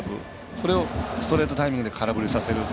それをストレートタイミングで空振りさせるって。